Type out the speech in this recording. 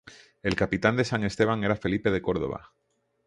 El capitán de la "San Esteban" era Felipe de Córdoba.